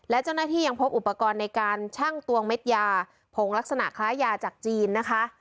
และเจ้าหน้าที่ยังพบอุปกรณ์ในการชั่งตวงเม็ดยาผงลักษณะคล้ายยาจากจีนนะคะ